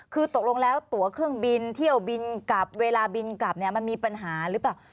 คือตกลงแล้วตัวเครื่องบินเที่ยวบินกลับเวลาบินกลับเนี่ยมันมีปัญหาหรือเปล่า